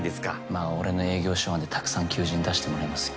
まあ俺の営業手腕でたくさん求人出してもらいますよ。